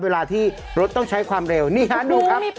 เวลาที่รถต้องใช้ความเร็วนี่ฮะดูครับ